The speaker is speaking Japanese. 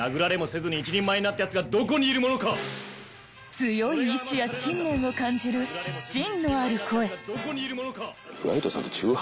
強い意志や信念を感じる芯のある声。